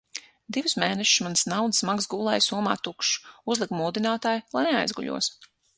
Divus mēnešus mans naudas maks gulēja somā tukšs. Uzliku modinātāju, lai neaizguļos.